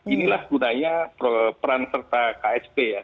inilah budaya peran serta ksp ya